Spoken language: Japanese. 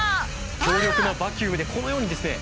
強力なバキュームでこのようにですね